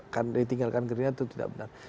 akan ditinggalkan gerita itu tidak benar